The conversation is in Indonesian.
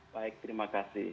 baik terima kasih